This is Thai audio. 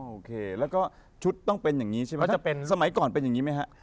โอเคแล้วก็ชุดต้องเป็นอย่างนี้ใช่ไหมมันจะเป็นสมัยก่อนเป็นอย่างนี้ไหมฮะ